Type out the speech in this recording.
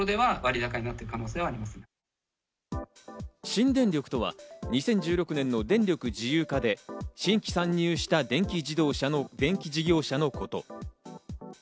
新電力とは２０１６年の電力自由化で新規参入した電気事業者のこと。